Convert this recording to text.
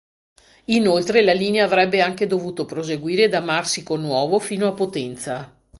Inoltre la linea avrebbe anche dovuto proseguire da Marsico Nuovo fino a Potenza.